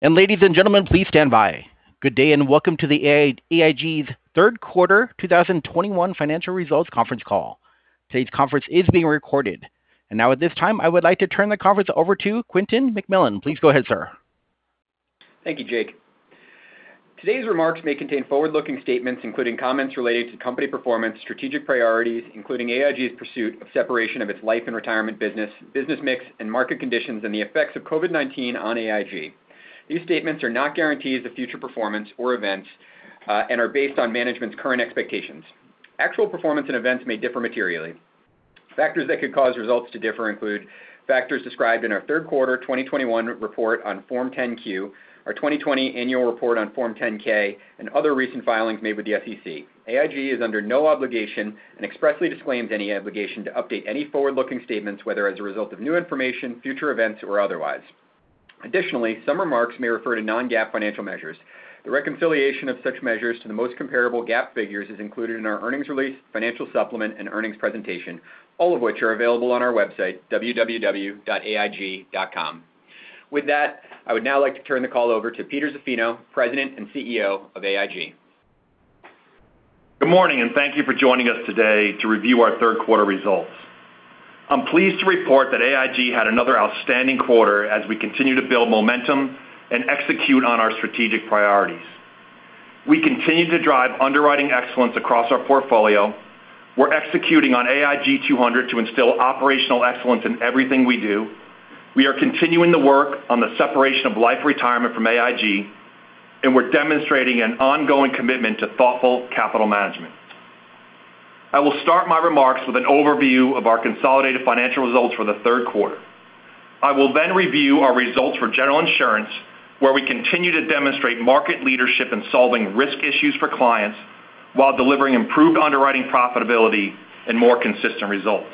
Ladies and gentlemen, please stand by. Good day, and welcome to AIG's third quarter 2021 financial results conference call. Today's conference is being recorded. Now, at this time, I would like to turn the conference over to Quentin McMillan. Please go ahead, sir. Thank you, Jake. Today's remarks may contain forward-looking statements, including comments related to company performance, strategic priorities, including AIG's pursuit of separation of its Life and Retirement business mix and market conditions, and the effects of COVID-19 on AIG. These statements are not guarantees of future performance or events, and are based on management's current expectations. Actual performance and events may differ materially. Factors that could cause results to differ include factors described in our third quarter 2021 report on Form 10-Q, our 2020 Annual Report on Form 10-K and other recent filings made with the SEC. AIG is under no obligation and expressly disclaims any obligation to update any forward-looking statements, whether as a result of new information, future events, or otherwise. Additionally, some remarks may refer to non-GAAP financial measures. The reconciliation of such measures to the most comparable GAAP figures is included in our earnings release, financial supplement and earnings presentation, all of which are available on our website, www.aig.com. With that, I would now like to turn the call over to Peter Zaffino, President and CEO of AIG. Good morning, and thank you for joining us today to review our third quarter results. I'm pleased to report that AIG had another outstanding quarter as we continue to build momentum and execute on our strategic priorities. We continue to drive underwriting excellence across our portfolio. We're executing on AIG 200 to instill operational excellence in everything we do. We are continuing the work on the separation of Life and Retirement from AIG, and we're demonstrating an ongoing commitment to thoughtful capital management. I will start my remarks with an overview of our consolidated financial results for the third quarter. I will then review our results for General Insurance, where we continue to demonstrate market leadership in solving risk issues for clients while delivering improved underwriting profitability and more consistent results.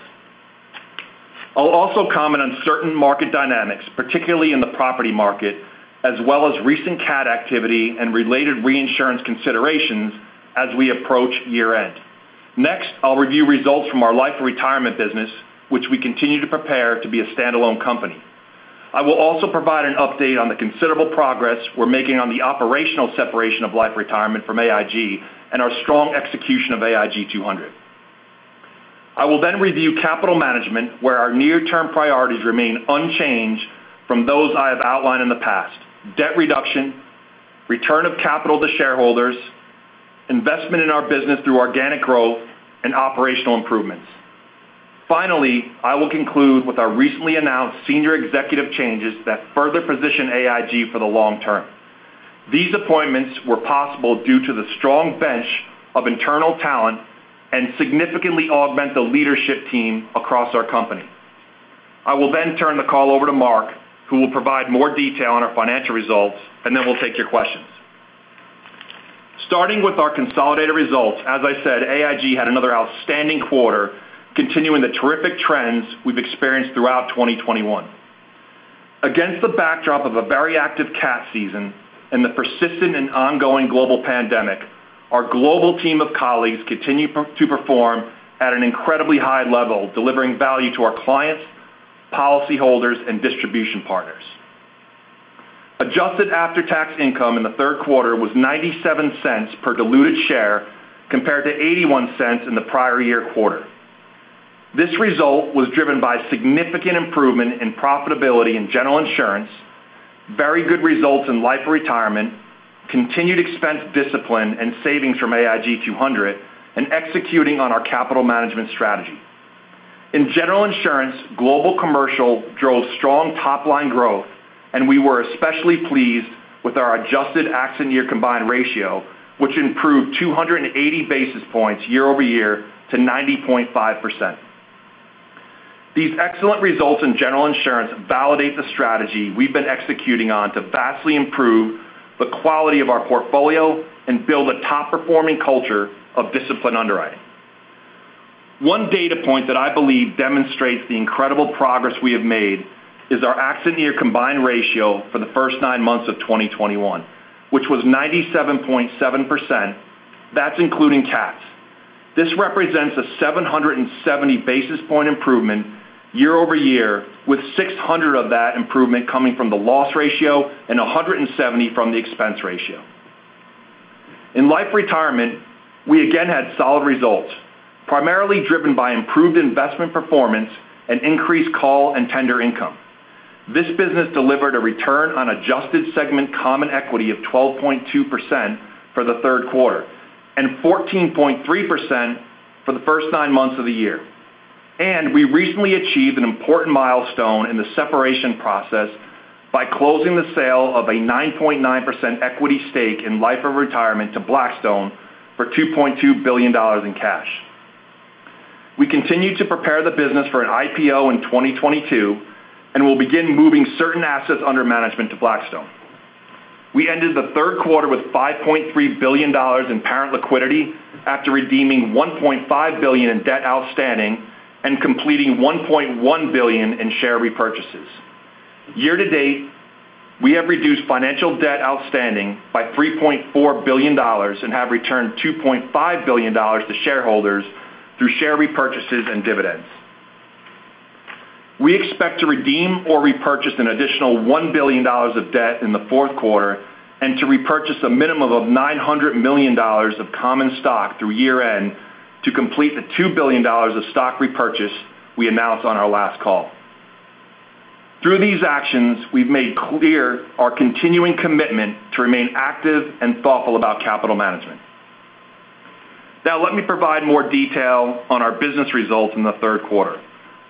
I'll also comment on certain market dynamics, particularly in the property market, as well as recent cat activity and related reinsurance considerations as we approach year-end. Next, I'll review results from our Life and Retirement business, which we continue to prepare to be a standalone company. I will also provide an update on the considerable progress we're making on the operational separation of Life and Retirement from AIG and our strong execution of AIG 200. I will then review capital management, where our near-term priorities remain unchanged from those I have outlined in the past, debt reduction, return of capital to shareholders, investment in our business through organic growth and operational improvements. Finally, I will conclude with our recently announced senior executive changes that further position AIG for the long term. These appointments were possible due to the strong bench of internal talent and significantly augment the leadership team across our company. I will then turn the call over to Mark, who will provide more detail on our financial results, and then we'll take your questions. Starting with our consolidated results, as I said, AIG had another outstanding quarter, continuing the terrific trends we've experienced throughout 2021. Against the backdrop of a very active cat season and the persistent and ongoing global pandemic, our global team of colleagues continue to perform at an incredibly high level, delivering value to our clients, policyholders, and distribution partners. Adjusted after-tax income in the third quarter was $0.97 per diluted share, compared to $0.81 in the prior year quarter. This result was driven by significant improvement in profitability in General Insurance, very good results in Life and Retirement, continued expense discipline and savings from AIG 200, and executing on our capital management strategy. In General Insurance, Global Commercial drove strong top-line growth, and we were especially pleased with our adjusted accident year combined ratio, which improved 280 basis points year-over-year to 90.5%. These excellent results in General Insurance validate the strategy we've been executing on to vastly improve the quality of our portfolio and build a top-performing culture of disciplined underwriting. One data point that I believe demonstrates the incredible progress we have made is our accident year combined ratio for the first nine months of 2021, which was 97.7%. That's including cats. This represents a 770 basis point improvement year-over-year, with 600 basis opints of that improvement coming from the loss ratio and 170 basis points from the expense ratio. In Life and Retirement, we again had solid results, primarily driven by improved investment performance and increased call and tender income. This business delivered a return on adjusted segment common equity of 12.2% for the third quarter and 14.3% for the first nine months of the year. We recently achieved an important milestone in the separation process by closing the sale of a 9.9% equity stake in Life and Retirement to Blackstone for $2.2 billion in cash. We continue to prepare the business for an IPO in 2022, and we'll begin moving certain assets under management to Blackstone. We ended the third quarter with $5.3 billion in parent liquidity after redeeming $1.5 billion in debt outstanding and completing $1.1 billion in share repurchases. Year to date, we have reduced financial debt outstanding by $3.4 billion and have returned $2.5 billion to shareholders through share repurchases and dividends. We expect to redeem or repurchase an additional $1 billion of debt in the fourth quarter and to repurchase a minimum of $900 million of common stock through year-end to complete the $2 billion of stock repurchase we announced on our last call. Through these actions, we've made clear our continuing commitment to remain active and thoughtful about capital management. Now, let me provide more detail on our business results in the third quarter.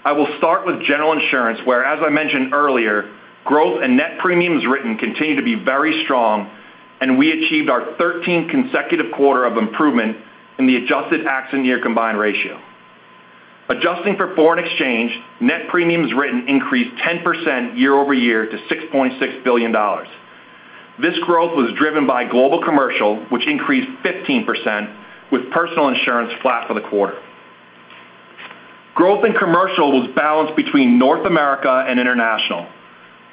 I will start with General Insurance, where, as I mentioned earlier, growth and net premiums written continue to be very strong, and we achieved our 13th consecutive quarter of improvement in the adjusted accident year combined ratio. Adjusting for foreign exchange, net premiums written increased 10% year-over-year to $6.6 billion. This growth was driven by Global Commercial, which increased 15% with Personal Insurance flat for the quarter. Growth in commercial was balanced between North America and International,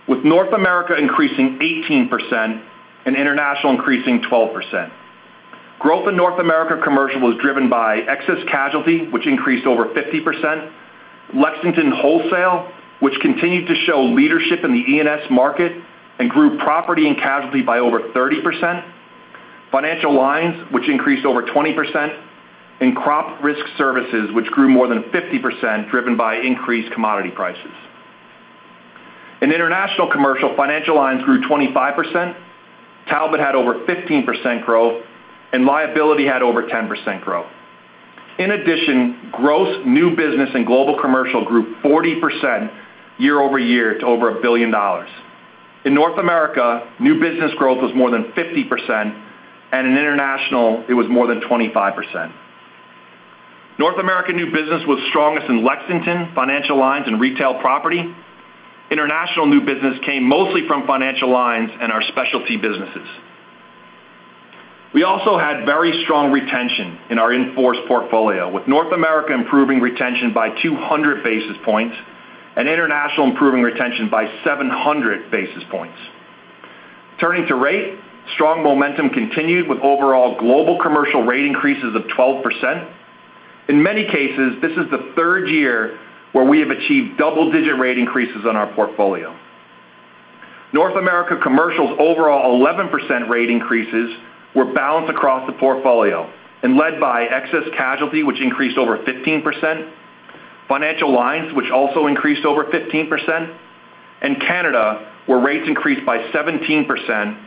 with North America increasing 18% and International increasing 12%. Growth in North America Commercial was driven by Excess Casualty, which increased over 50%, Lexington Wholesale, which continued to show leadership in the E&S market and grew property and casualty by over 30%, Financial Lines, which increased over 20%, and Crop Risk Services, which grew more than 50%, driven by increased commodity prices. In International Commercial, Financial Lines grew 25%, Talbot had over 15% growth, and Liability had over 10% growth. In addition, gross new business and global commercial grew 40% year-over-year to over $1 billion. In North America, new business growth was more than 50%, and in International, it was more than 25%. North America new business was strongest in Lexington, Financial Lines, and Retail Property. International new business came mostly from Financial Lines and our specialty businesses. We also had very strong retention in our in-force portfolio, with North America improving retention by 200 basis points and International improving retention by 700 basis points. Turning to rate, strong momentum continued with overall global commercial rate increases of 12%. In many cases, this is the third year where we have achieved double-digit rate increases on our portfolio. North America Commercial's overall 11% rate increases were balanced across the portfolio and led by Excess Casualty, which increased over 15%, Financial Lines, which also increased over 15%, and Canada, where rates increased by 17%,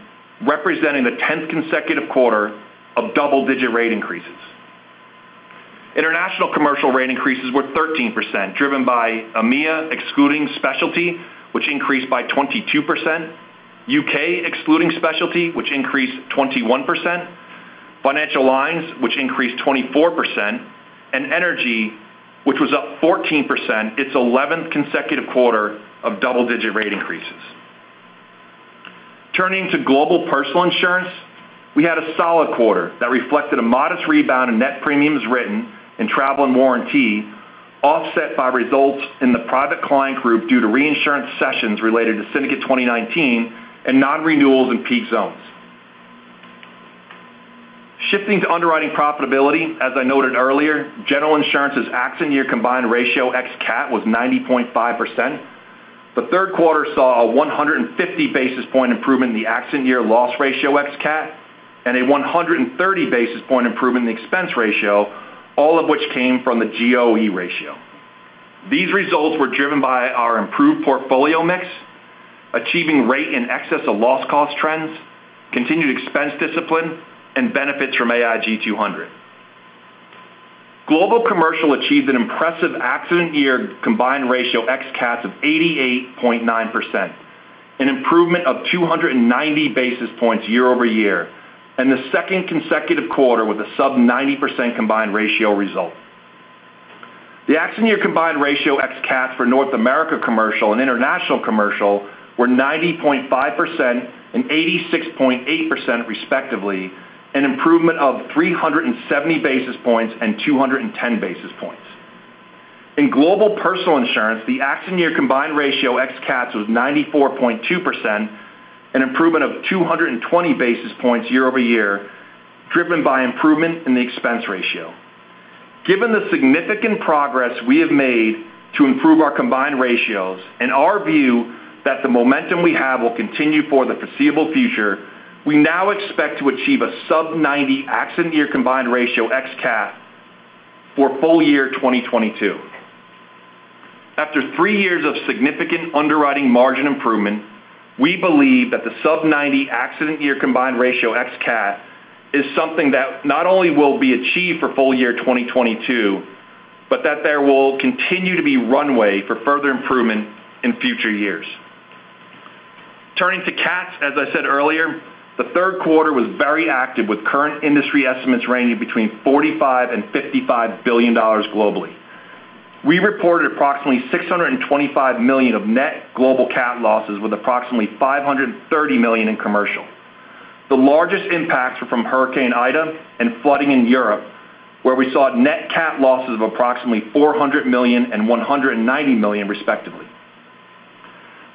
representing the 10th consecutive quarter of double-digit rate increases. International Commercial rate increases were 13%, driven by AMEA excluding Specialty, which increased by 22%, U.K. excluding Specialty, which increased 21%, Financial Lines, which increased 24%, and Energy, which was up 14%, its 11th consecutive quarter of double-digit rate increases. Turning to Global Personal Insurance, we had a solid quarter that reflected a modest rebound in net premiums written in travel and warranty, offset by results in the Private Client Group due to reinsurance cessions related to Syndicate 2019 and non-renewals in peak zones. Shifting to underwriting profitability, as I noted earlier, General Insurance's accident year combined ratio ex-CAT was 90.5%. The third quarter saw a 150 basis point improvement in the accident year loss ratio ex-CAT and a 130 basis point improvement in the expense ratio, all of which came from the GOE ratio. These results were driven by our improved portfolio mix, achieving rate in excess of loss cost trends, continued expense discipline, and benefits from AIG 200. Global Commercial achieved an impressive accident year combined ratio ex-CAT of 88.9%, an improvement of 290 basis points year-over-year, and the second consecutive quarter with a sub 90% combined ratio result. The accident year combined ratio ex-CAT for North America Commercial and International Commercial were 90.5% and 86.8% respectively, an improvement of 370 basis points and 210 basis points. In Global Personal Insurance, the accident year combined ratio ex-CATs was 94.2%, an improvement of 220 basis points year-over-year, driven by improvement in the expense ratio. Given the significant progress we have made to improve our combined ratios and our view that the momentum we have will continue for the foreseeable future, we now expect to achieve a sub 90 accident year combined ratio ex-CAT for full year 2022. After three years of significant underwriting margin improvement, we believe that the sub 90 accident year combined ratio ex CAT is something that not only will be achieved for full year 2022, but that there will continue to be runway for further improvement in future years. Turning to CATs, as I said earlier, the third quarter was very active with current industry estimates ranging between $45 billion-$55 billion globally. We reported approximately $625 million of net global CAT losses with approximately $530 million in commercial. The largest impacts were from Hurricane Ida and flooding in Europe, where we saw net CAT losses of approximately $400 million and $190 million respectively.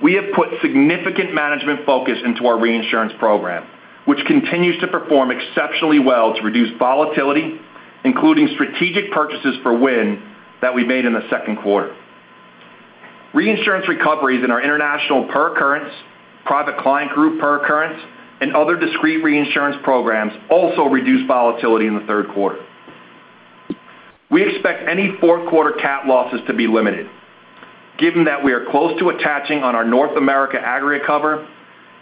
We have put significant management focus into our reinsurance program, which continues to perform exceptionally well to reduce volatility, including strategic purchases for wind that we made in the second quarter. Reinsurance recoveries in our international per occurrence, Private Client Group per occurrence, and other discrete reinsurance programs also reduced volatility in the third quarter. We expect any fourth quarter CAT losses to be limited, given that we are close to attaching on our North America aggregate cover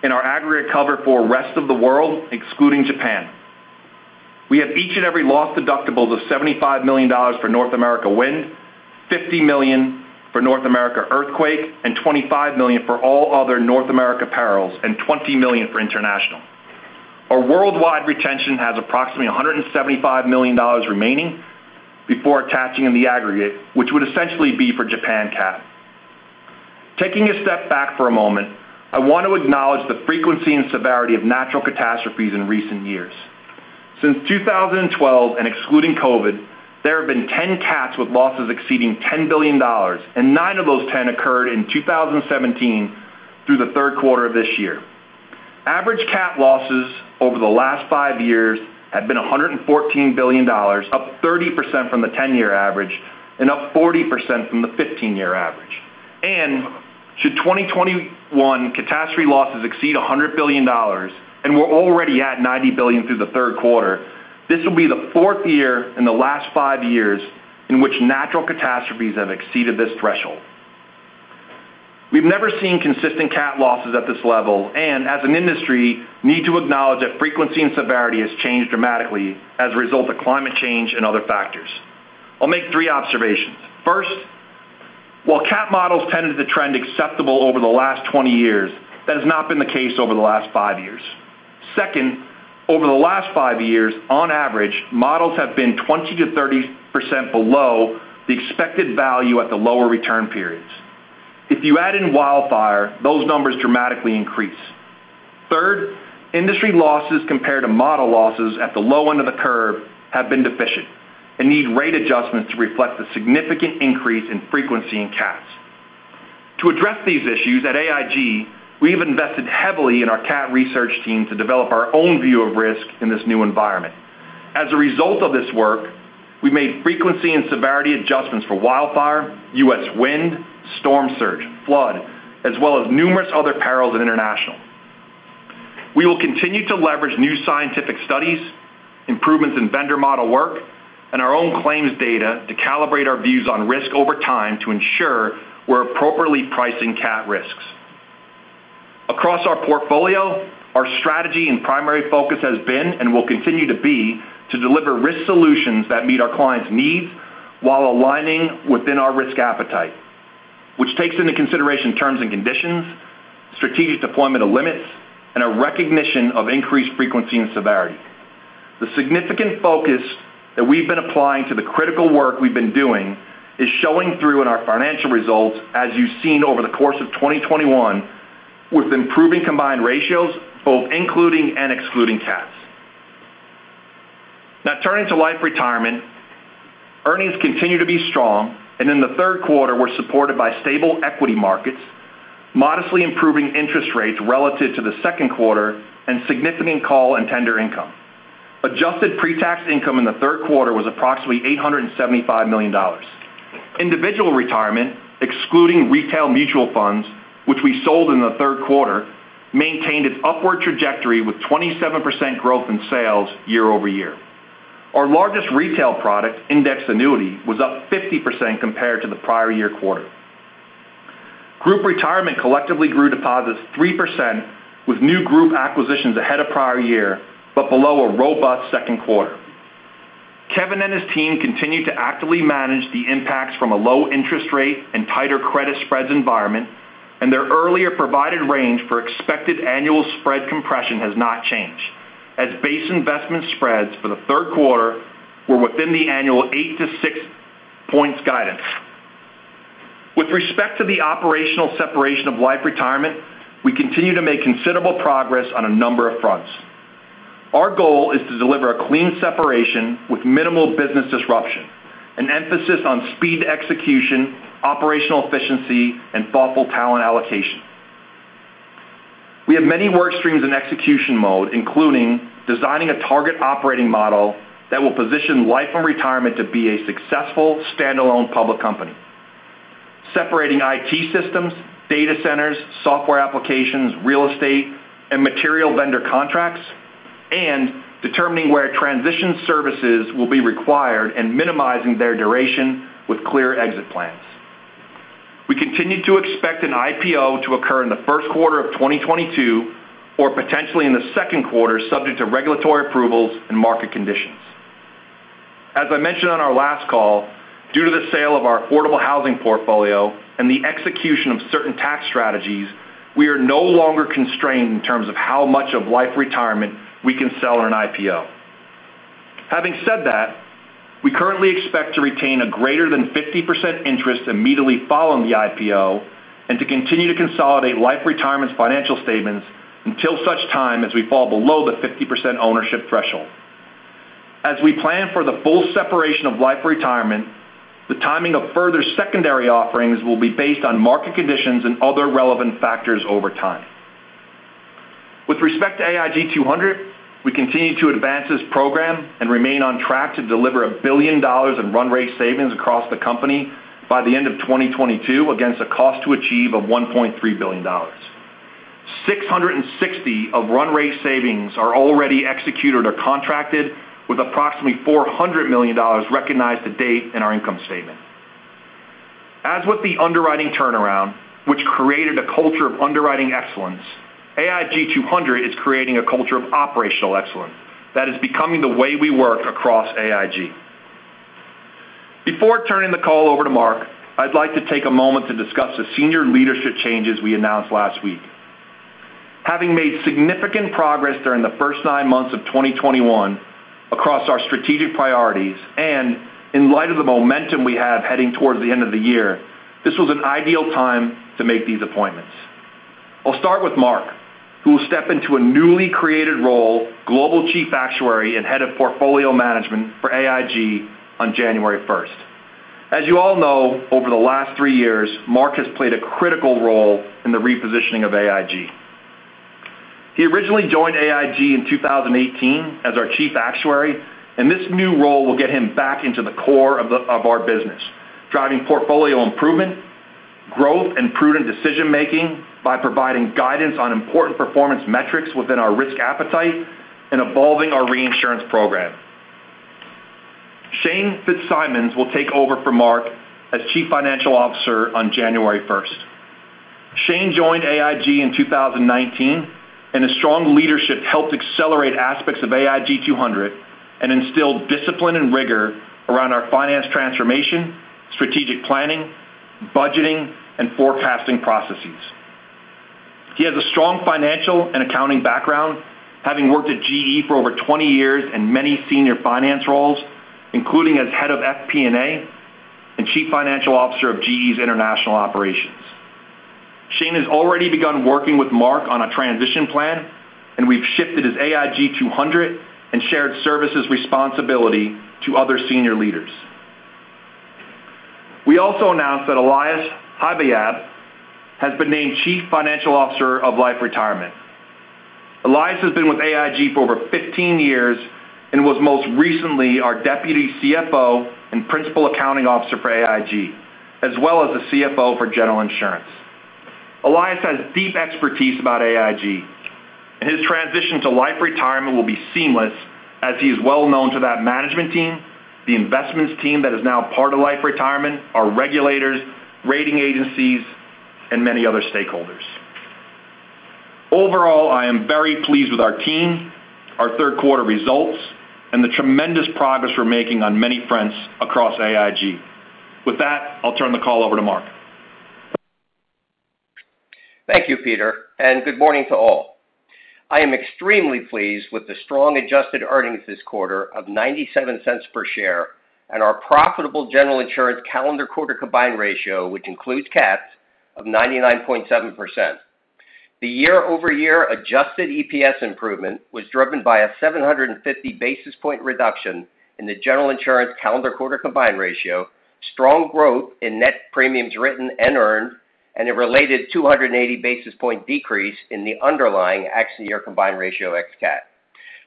and our aggregate cover for rest of the world, excluding Japan. We have each and every loss deductibles of $75 million for North America wind, $50 million for North America earthquake, and $25 million for all other North America perils, and $20 million for international. Our worldwide retention has approximately $175 million remaining before attaching in the aggregate, which would essentially be for Japan CAT. Taking a step back for a moment, I want to acknowledge the frequency and severity of natural catastrophes in recent years. Since 2012 and excluding COVID, there have been 10 CATs with losses exceeding $10 billion, and nine of those 10 occurred in 2017 through the third quarter of this year. Average cat losses over the last five years have been $114 billion, up 30% from the 10-year average and up 40% from the 15-year average. Should 2021 catastrophe losses exceed $100 billion, and we're already at $90 billion through the third quarter, this will be the fourth year in the last five years in which natural catastrophes have exceeded this threshold. We've never seen consistent cat losses at this level and as an industry, need to acknowledge that frequency and severity has changed dramatically as a result of climate change and other factors. I'll make three observations. First, while cat models tended to trend acceptable over the last 20 years, that has not been the case over the last five years. Second, over the last five years, on average, models have been 20%-30% below the expected value at the lower return periods. If you add in wildfire, those numbers dramatically increase. Third, industry losses compared to model losses at the low end of the curve have been deficient and need rate adjustments to reflect the significant increase in frequency in cats. To address these issues at AIG, we have invested heavily in our cat research team to develop our own view of risk in this new environment. As a result of this work, we made frequency and severity adjustments for wildfire, U.S. wind, storm surge, flood, as well as numerous other perils international. We will continue to leverage new scientific studies, improvements in vendor model work, and our own claims data to calibrate our views on risk over time to ensure we're appropriately pricing CAT risks. Across our portfolio, our strategy and primary focus has been, and will continue to be, to deliver risk solutions that meet our clients' needs while aligning within our risk appetite, which takes into consideration terms and conditions, strategic deployment of limits, and a recognition of increased frequency and severity. The significant focus that we've been applying to the critical work we've been doing is showing through in our financial results, as you've seen over the course of 2021, with improving combined ratios, both including and excluding cats. Now turning to Life and Retirement. Earnings continue to be strong. In the third quarter, they were supported by stable equity markets, modestly improving interest rates relative to the second quarter, and significant call and tender income. Adjusted pre-tax income in the third quarter was approximately $875 million. Individual Retirement, excluding retail mutual funds, which we sold in the third quarter, maintained its upward trajectory with 27% growth in sales year-over-year. Our largest retail product, Indexed Annuity, was up 50% compared to the prior-year quarter. Group Retirement collectively grew deposits 3% with new group acquisitions ahead of prior year, but below a robust second quarter. Kevin and his team continued to actively manage the impacts from a low interest rate and tighter credit spreads environment, and their earlier provided range for expected annual spread compression has not changed, as base investment spreads for the third quarter were within the annual 8-6 points guidance. With respect to the operational separation of Life and Retirement, we continue to make considerable progress on a number of fronts. Our goal is to deliver a clean separation with minimal business disruption, an emphasis on speed to execution, operational efficiency, and thoughtful talent allocation. We have many work streams in execution mode, including designing a target operating model that will position Life and Retirement to be a successful standalone public company, separating IT systems, data centers, software applications, real estate, and material vendor contracts, and determining where transition services will be required and minimizing their duration with clear exit plans. We continue to expect an IPO to occur in the first quarter of 2022, or potentially in the second quarter, subject to regulatory approvals and market conditions. As I mentioned on our last call, due to the sale of our affordable housing portfolio and the execution of certain tax strategies, we are no longer constrained in terms of how much of Life and Retirement we can sell on IPO. Having said that, we currently expect to retain a greater than 50% interest immediately following the IPO and to continue to consolidate Life and Retirement's financial statements until such time as we fall below the 50% ownership threshold. As we plan for the full separation of Life and Retirement, the timing of further secondary offerings will be based on market conditions and other relevant factors over time. With respect to AIG 200, we continue to advance this program and remain on track to deliver $1 billion in run rate savings across the company by the end of 2022 against a cost to achieve of $1.3 billion. 660 of run rate savings are already executed or contracted with approximately $400 million recognized to date in our income statement. As with the underwriting turnaround, which created a culture of underwriting excellence, AIG 200 is creating a culture of operational excellence that is becoming the way we work across AIG. Before turning the call over to Mark, I'd like to take a moment to discuss the senior leadership changes we announced last week. Having made significant progress during the first nine months of 2021 across our strategic priorities, and in light of the momentum we have heading towards the end of the year, this was an ideal time to make these appointments. I'll start with Mark, who will step into a newly created role, Global Chief Actuary and Head of Portfolio Management for AIG on January 1st. As you all know, over the last three years, Mark has played a critical role in the repositioning of AIG. He originally joined AIG in 2018 as our chief actuary, and this new role will get him back into the core of our business, driving portfolio improvement, growth, and prudent decision-making by providing guidance on important performance metrics within our risk appetite and evolving our reinsurance program. Shane Fitzsimons will take over for Mark as Chief Financial Officer on January 1st. Shane joined AIG in 2019, and his strong leadership helped accelerate aspects of AIG 200 and instilled discipline and rigor around our finance transformation, strategic planning, budgeting, and forecasting processes. He has a strong financial and accounting background, having worked at GE for over 20 years in many senior finance roles, including as Head of FP&A and Chief Financial Officer of GE's international operations. Shane has already begun working with Mark on a transition plan, and we've shifted his AIG 200 and shared services responsibility to other senior leaders. We also announced that Elias Habayeb has been named Chief Financial Officer of Life and Retirement. Elias has been with AIG for over 15 years and was most recently our Deputy CFO and Principal Accounting Officer for AIG, as well as the CFO for General Insurance. Elias has deep expertise about AIG, and his transition to Life and Retirement will be seamless as he is well known to that management team, the investments team that is now part of Life and Retirement, our regulators, rating agencies, and many other stakeholders. Overall, I am very pleased with our team, our third quarter results, and the tremendous progress we're making on many fronts across AIG. With that, I'll turn the call over to Mark. Thank you, Peter, and good morning to all. I am extremely pleased with the strong adjusted earnings this quarter of $0.97 per share and our profitable General Insurance calendar quarter combined ratio, which includes CAT, of 99.7%. The year-over-year adjusted EPS improvement was driven by a 750 basis point reduction in the General Insurance calendar quarter combined ratio, strong growth in net premiums written and earned, and a related 280 basis point decrease in the underlying accident year combined ratio ex CAT.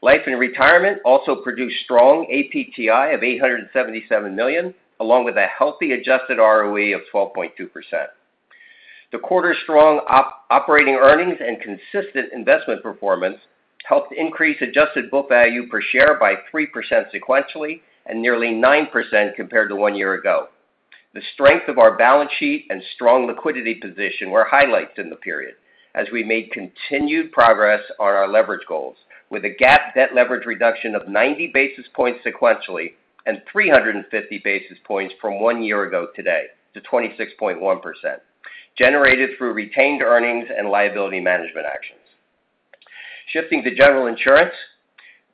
Life and Retirement also produced strong APTI of $877 million, along with a healthy adjusted ROE of 12.2%. The quarter's strong operating earnings and consistent investment performance helped increase adjusted book value per share by 3% sequentially and nearly 9% compared to one year ago. The strength of our balance sheet and strong liquidity position were highlights in the period as we made continued progress on our leverage goals with a GAAP debt leverage reduction of 90 basis points sequentially and 350 basis points from one year ago today to 26.1%, generated through retained earnings and liability management actions. Shifting to General Insurance,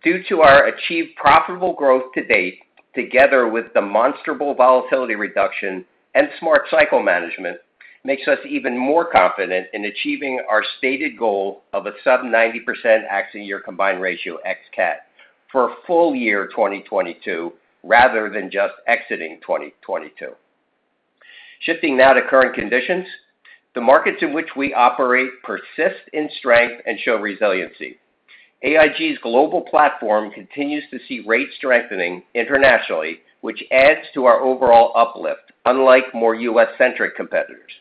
due to our achieved profitable growth to date, together with demonstrable volatility reduction and smart cycle management, makes us even more confident in achieving our stated goal of a sub 90% accident year combined ratio ex CAT for full year 2022, rather than just exiting 2022. Shifting now to current conditions, the markets in which we operate persist in strength and show resiliency. AIG's global platform continues to see rates strengthening internationally, which adds to our overall uplift, unlike more U.S.-centric competitors.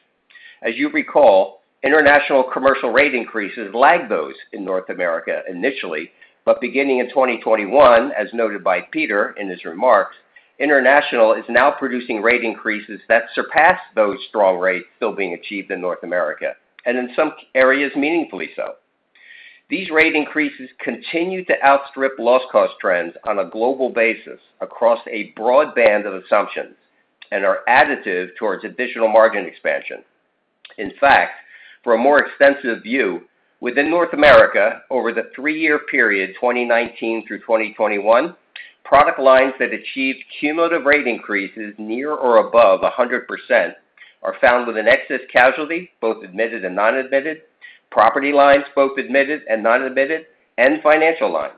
As you recall, International Commercial rate increases lag those in North America initially, but beginning in 2021, as noted by Peter in his remarks, international is now producing rate increases that surpass those strong rates still being achieved in North America, and in some areas meaningfully so. These rate increases continue to outstrip loss cost trends on a global basis across a broad band of assumptions and are additive towards additional margin expansion. In fact, for a more extensive view, within North America over the three-year period 2019 through 2021, product lines that achieved cumulative rate increases near or above 100% are found within Excess Casualty, both admitted and non-admitted. Property lines, both admitted and non-admitted, and Financial Lines.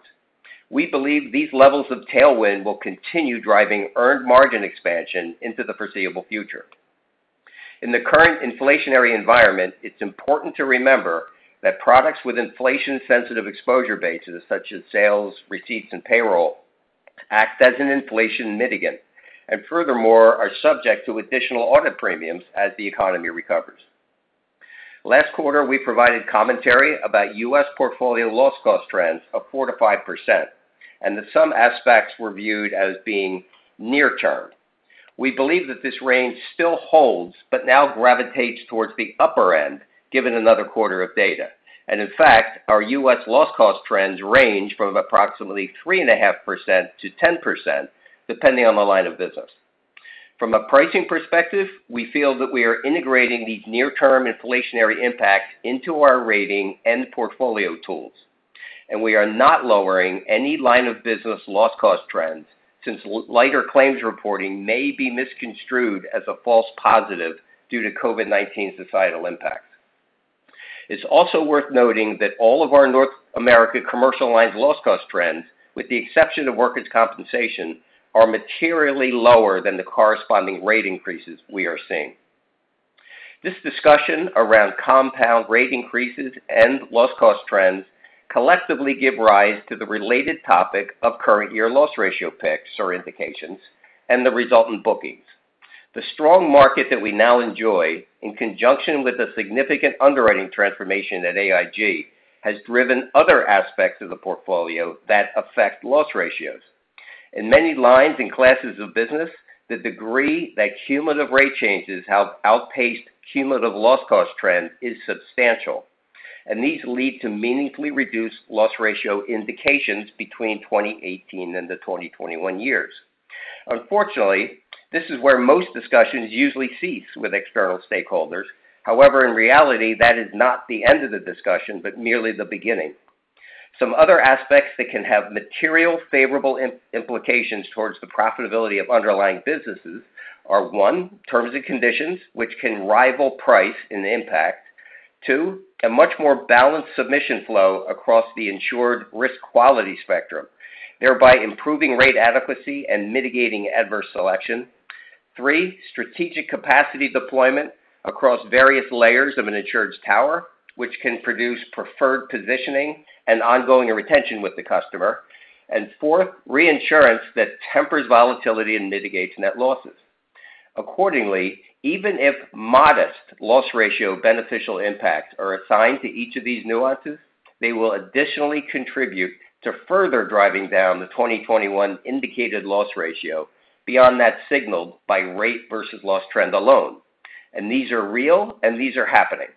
We believe these levels of tailwind will continue driving earned margin expansion into the foreseeable future. In the current inflationary environment, it's important to remember that products with inflation-sensitive exposure bases, such as sales, receipts, and payroll, act as an inflation mitigant, and furthermore, are subject to additional audit premiums as the economy recovers. Last quarter, we provided commentary about U.S. portfolio loss cost trends of 4%-5%, and that some aspects were viewed as being near-term. We believe that this range still holds, but now gravitates towards the upper end, given another quarter of data. In fact, our U.S. loss cost trends range from approximately 3.5%-10%, depending on the line of business. From a pricing perspective, we feel that we are integrating these near-term inflationary impacts into our rating and portfolio tools, and we are not lowering any line of business loss cost trends since lighter claims reporting may be misconstrued as a false positive due to COVID-19's societal impact. It's also worth noting that all of our North America Commercial loss cost trends, with the exception of workers' compensation, are materially lower than the corresponding rate increases we are seeing. This discussion around compound rate increases and loss cost trends collectively give rise to the related topic of current year loss ratio picks or indications and the resultant bookings. The strong market that we now enjoy, in conjunction with the significant underwriting transformation at AIG, has driven other aspects of the portfolio that affect loss ratios. In many lines and classes of business, the degree that cumulative rate changes have outpaced cumulative loss cost trend is substantial, and these lead to meaningfully reduced loss ratio indications between 2018 and the 2021 years. Unfortunately, this is where most discussions usually cease with external stakeholders. However, in reality, that is not the end of the discussion, but merely the beginning. Some other aspects that can have material favorable implications towards the profitability of underlying businesses are, one, terms and conditions, which can rival price and impact. Two, a much more balanced submission flow across the insured risk quality spectrum, thereby improving rate adequacy and mitigating adverse selection. Three, strategic capacity deployment across various layers of an insured's tower, which can produce preferred positioning and ongoing retention with the customer. Fourth, reinsurance that tempers volatility and mitigates net losses. Accordingly, even if modest loss ratio beneficial impacts are assigned to each of these nuances, they will additionally contribute to further driving down the 2021 indicated loss ratio beyond that signaled by rate versus loss trend alone. These are real, and these are happening.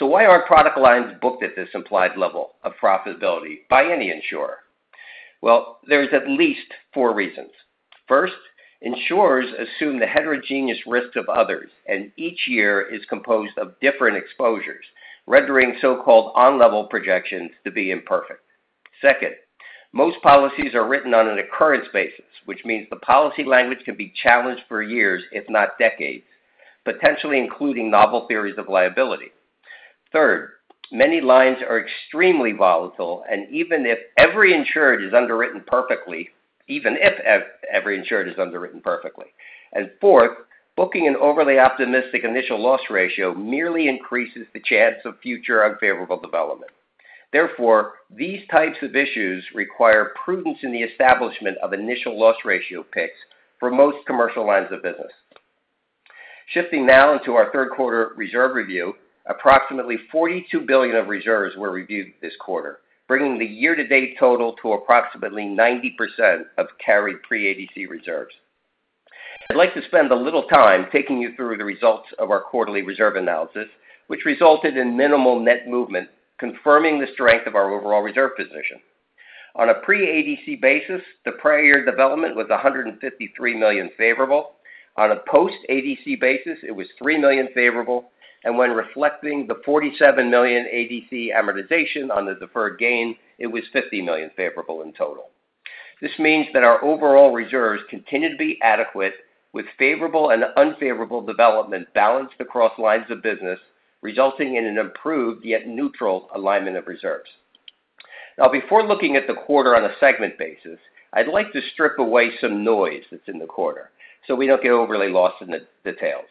Why aren't product lines booked at this implied level of profitability by any insurer? Well, there's at least four reasons. First, insurers assume the heterogeneous risks of others, and each year is composed of different exposures, rendering so-called on-level projections to be imperfect. Second, most policies are written on an occurrence basis, which means the policy language can be challenged for years, if not decades, potentially including novel theories of liability. Third, many lines are extremely volatile, and even if every insured is underwritten perfectly, even if every insured is underwritten perfectly. Fourth, booking an overly optimistic initial loss ratio merely increases the chance of future unfavorable development. Therefore, these types of issues require prudence in the establishment of initial loss ratio picks for most commercial lines of business. Shifting now into our third quarter reserve review, approximately $42 billion of reserves were reviewed this quarter, bringing the year-to-date total to approximately 90% of carried pre-ADC reserves. I'd like to spend a little time taking you through the results of our quarterly reserve analysis, which resulted in minimal net movement, confirming the strength of our overall reserve position. On a pre-ADC basis, the prior year development was $153 million favorable. On a post-ADC basis, it was $3 million favorable. When reflecting the $47 million ADC amortization on the deferred gain, it was $50 million favorable in total. This means that our overall reserves continue to be adequate, with favorable and unfavorable development balanced across lines of business, resulting in an improved yet neutral alignment of reserves. Now, before looking at the quarter on a segment basis, I'd like to strip away some noise that's in the quarter, so we don't get overly lost in the details.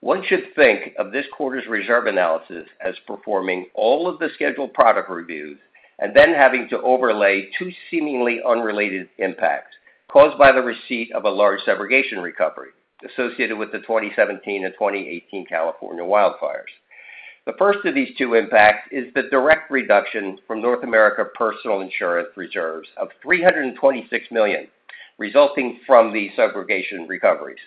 One should think of this quarter's reserve analysis as performing all of the scheduled product reviews and then having to overlay two seemingly unrelated impacts caused by the receipt of a large subrogation recovery associated with the 2017 and 2018 California wildfires. The first of these two impacts is the direct reduction from North America Personal Insurance reserves of $326 million, resulting from the subrogation recoveries.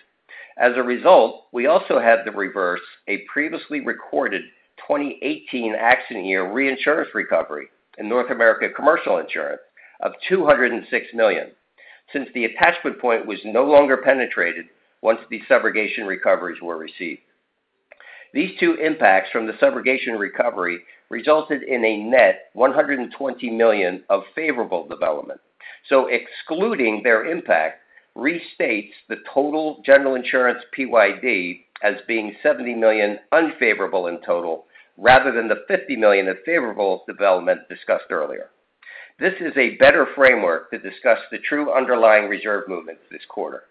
As a result, we also had to reverse a previously recorded 2018 accident year reinsurance recovery in North America Commercial insurance of $206 million, since the attachment point was no longer penetrated once the subrogation recoveries were received. These two impacts from the subrogation recovery resulted in a net $120 million of favorable development. Excluding their impact restates the total General Insurance PYD as being $70 million unfavorable in total rather than the $50 million of favorable development discussed earlier. This is a better framework to discuss the true underlying reserve movements this quarter.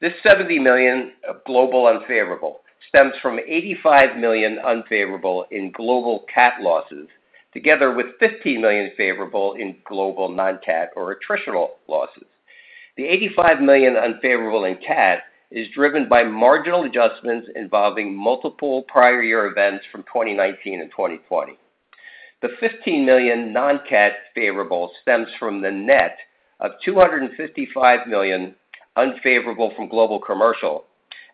This $70 million of global unfavorable stems from $85 million unfavorable in global cat losses, together with $15 million favorable in global non-CAT or attritional losses. The $85 million unfavorable in cat is driven by marginal adjustments involving multiple prior year events from 2019 and 2020. The $15 million non-cat favorable stems from the net of $255 million unfavorable from Global Commercial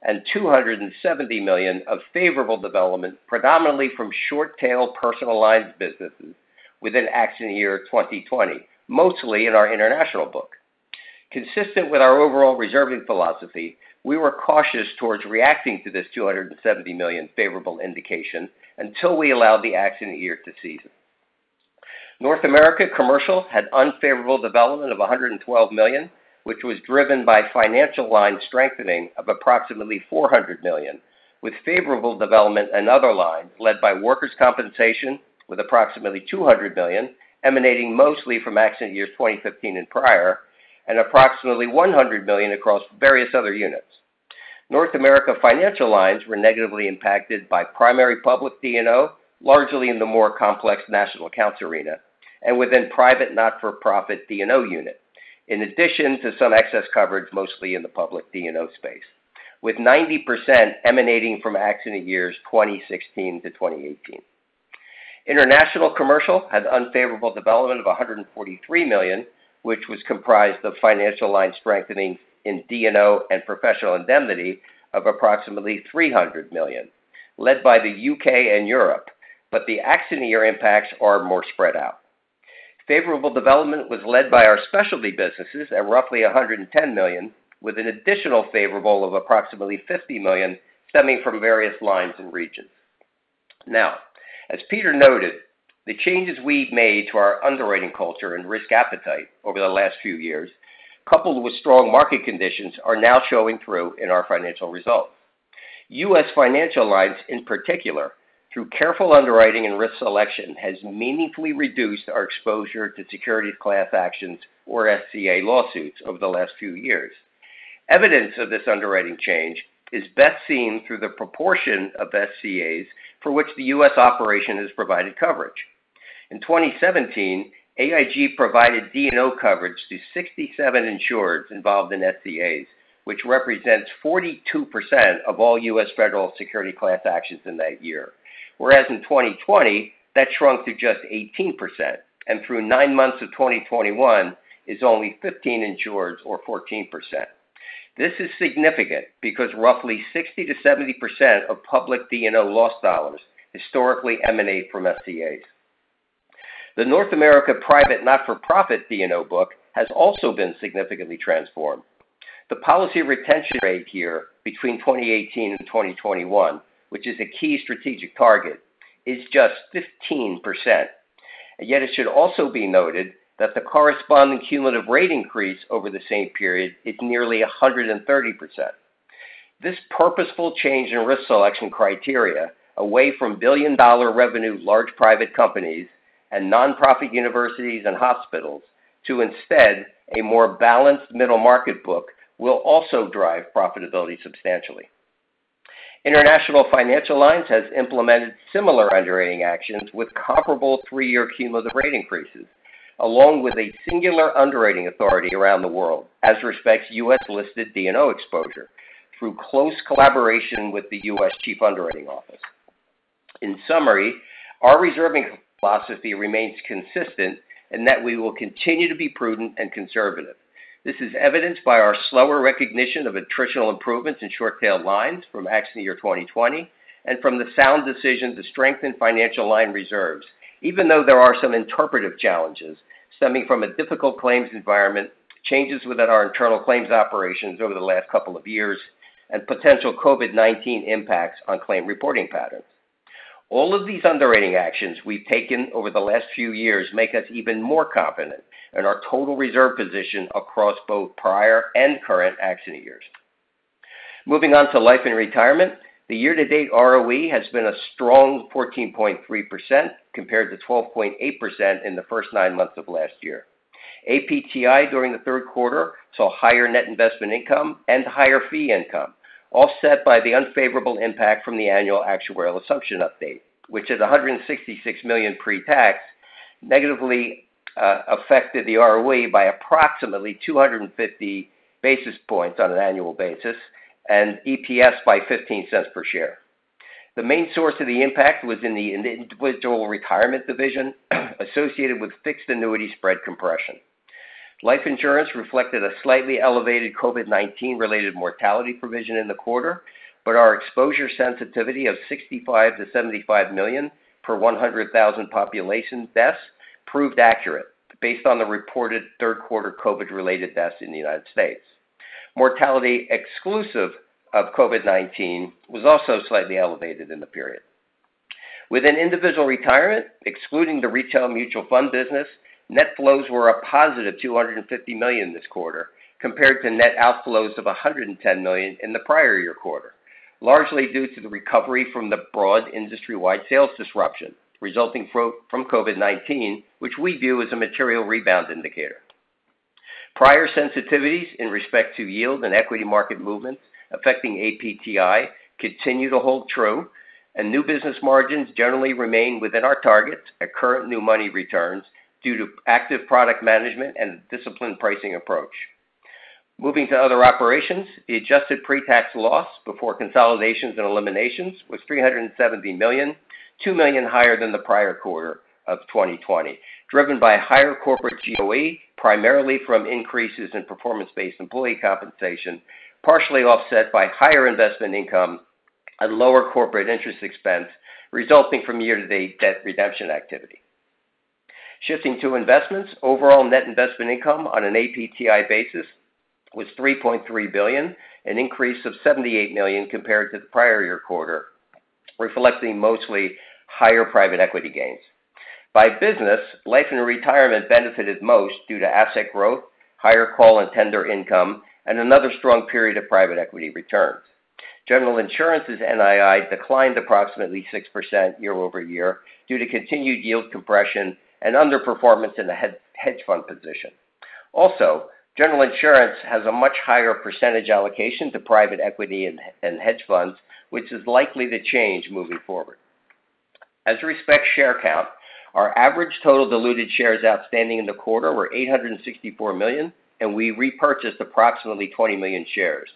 and $270 million of favorable development, predominantly from short-tail personal lines businesses within accident year 2020, mostly in our international book. Consistent with our overall reserving philosophy, we were cautious towards reacting to this $270 million favorable indication until we allowed the accident year to season. North America Commercial had unfavorable development of $112 million, which was driven by Financial Lines strengthening of approximately $400 million, with favorable development in other lines led by workers' compensation with approximately $200 million emanating mostly from accident years 2015 and prior, and approximately $100 million across various other units. North America Financial Lines were negatively impacted by primary public D&O, largely in the more complex national accounts arena and within private not-for-profit D&O unit, in addition to some excess coverage, mostly in the public D&O space, with 90% emanating from accident years 2016 to 2018. International Commercial had unfavorable development of $143 million, which was comprised of Financial Lines strengthening in D&O and professional indemnity of approximately $300 million, led by the U.K. and Europe, but the accident year impacts are more spread out. Favorable development was led by our specialty businesses at roughly $110 million, with an additional favorable of approximately $50 million stemming from various lines and regions. Now, as Peter noted, the changes we've made to our underwriting culture and risk appetite over the last few years, coupled with strong market conditions, are now showing through in our financial results. U.S. Financial Lines, in particular, through careful underwriting and risk selection, has meaningfully reduced our exposure to securities class actions or SCA lawsuits over the last few years. Evidence of this underwriting change is best seen through the proportion of SCAs for which the U.S. operation has provided coverage. In 2017, AIG provided D&O coverage to 67 insureds involved in SCAs, which represents 42% of all U.S. federal securities class actions in that year. Whereas in 2020, that shrunk to just 18%, and through nine months of 2021 is only 15 insureds or 14%. This is significant because roughly 60%-70% of public D&O loss dollars historically emanate from SCAs. The North America private not-for-profit D&O book has also been significantly transformed. The policy retention rate here between 2018 and 2021, which is a key strategic target, is just 15%. Yet it should also be noted that the corresponding cumulative rate increase over the same period is nearly 130%. This purposeful change in risk selection criteria away from billion-dollar revenue large private companies and nonprofit universities and hospitals to instead a more balanced middle market book will also drive profitability substantially. International Financial Lines has implemented similar underwriting actions with comparable three-year cumulative rate increases, along with a singular underwriting authority around the world as respects U.S.-listed D&O exposure through close collaboration with the U.S. Chief Underwriting Office. In summary, our reserving philosophy remains consistent in that we will continue to be prudent and conservative. This is evidenced by our slower recognition of attritional improvements in short-tail lines from accident year 2020 and from the sound decision to strengthen Financial Lines reserves, even though there are some interpretive challenges stemming from a difficult claims environment, changes within our internal claims operations over the last couple of years, and potential COVID-19 impacts on claim reporting patterns. All of these underwriting actions we've taken over the last few years make us even more confident in our total reserve position across both prior and current accident years. Moving on to Life and Retirement, the year-to-date ROE has been a strong 14.3% compared to 12.8% in the first nine months of last year. APTI during the third quarter saw higher net investment income and higher fee income, offset by the unfavorable impact from the annual actuarial assumption update, which is $166 million pre-tax, negatively affected the ROE by approximately 250 basis points on an annual basis and EPS by $0.15 per share. The main source of the impact was in the Individual Retirement division associated with fixed annuity spread compression. Life Insurance reflected a slightly elevated COVID-19-related mortality provision in the quarter, but our exposure sensitivity of $65 million-$75 million per 100,000 population deaths proved accurate based on the reported third quarter COVID-related deaths in the United States. Mortality exclusive of COVID-19 was also slightly elevated in the period. Within Individual Retirement, excluding the retail mutual fund business, net flows were a positive $250 million this quarter compared to net outflows of $110 million in the prior year quarter, largely due to the recovery from the broad industry-wide sales disruption resulting from COVID-19, which we view as a material rebound indicator. Prior sensitivities in respect to yield and equity market movements affecting APTI continue to hold true, and new business margins generally remain within our targets at current new money returns due to active product management and disciplined pricing approach. Moving to other operations, the adjusted pre-tax loss before consolidations and eliminations was $370 million, $2 million higher than the prior quarter of 2020, driven by higher corporate GOE, primarily from increases in performance-based employee compensation, partially offset by higher investment income and lower corporate interest expense resulting from year-to-date debt redemption activity. Shifting to investments, overall net investment income on an APTI basis was $3.3 billion, an increase of $78 million compared to the prior year quarter, reflecting mostly higher private equity gains. By business, Life and Retirement benefited most due to asset growth, higher call and tender income, and another strong period of private equity returns. General Insurance's NII declined approximately 6% year-over-year due to continued yield compression and underperformance in the hedge fund position. Also, General Insurance has a much higher percentage allocation to private equity and hedge funds, which is likely to change moving forward. As we reset share count, our average total diluted shares outstanding in the quarter were $864 million, and we repurchased approximately $20 million shares.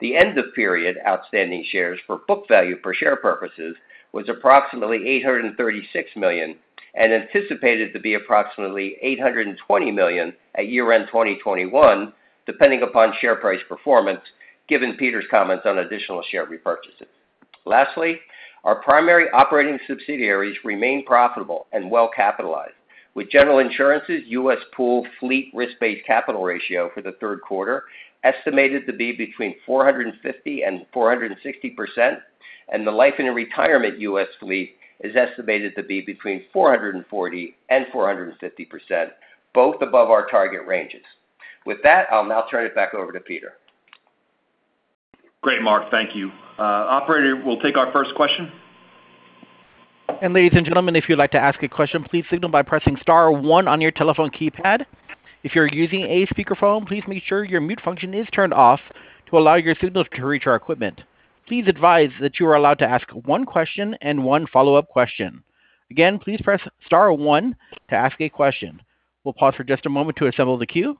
The end of period outstanding shares for book value per share purposes was approximately $836 million, and anticipated to be approximately $820 million at year-end 2021, depending upon share price performance, given Peter's comments on additional share repurchases. Lastly, our primary operating subsidiaries remain profitable and well-capitalized. With General Insurance's U.S. pool fleet risk-based capital ratio for the third quarter estimated to be between 450% and 460%, and the Life and Retirement U.S. fleet is estimated to be between 440% and 450%, both above our target ranges. With that, I'll now turn it back over to Peter. Great, Mark. Thank you. Operator, we'll take our first question. Ladies and gentlemen, if you'd like to ask a question, please signal by pressing star one on your telephone keypad. If you're using a speakerphone, please make sure your mute function is turned off to allow your signal to reach our equipment. Please advise that you are allowed to ask one question and one follow-up question. Again, please press star one to ask a question. We'll pause for just a moment to assemble the queue.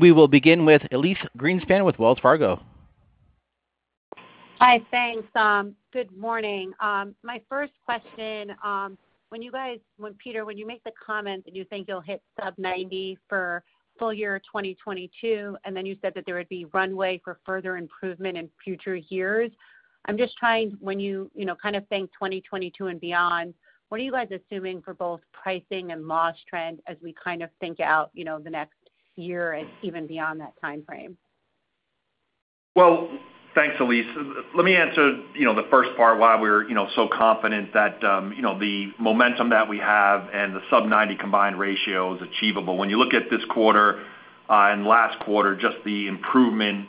We will begin with Elyse Greenspan with Wells Fargo. Hi. Thanks. Good morning. My first question, when Peter, when you make the comment that you think you'll hit sub-90 for full year 2022, and then you said that there would be runway for further improvement in future years, I'm just trying, when you know, kind of think 2022 and beyond, what are you guys assuming for both pricing and loss trend as we kind of think out, you know, the next year and even beyond that time frame? Well, thanks, Elyse. Let me answer, you know, the first part, why we're, you know, so confident that, you know, the momentum that we have and the sub-90 combined ratio is achievable. When you look at this quarter and last quarter, just the improvement